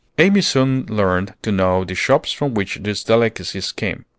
Amy soon learned to know the shops from which these delicacies came.